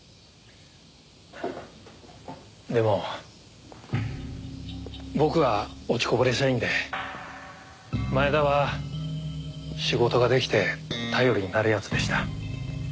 でも僕は落ちこぼれ社員で前田は仕事ができて頼りになる奴でした。